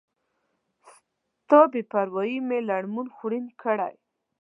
ستا بی پروایي می لړمون خوړین کړی